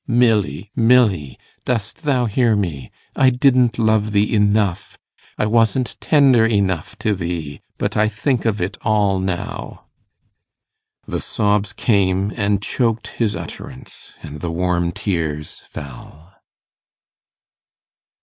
'Milly, Milly, dost thou hear me? I didn't love thee enough I wasn't tender enough to thee but I think of it all now.' The sobs came and choked his utterance, and the warm tears fell.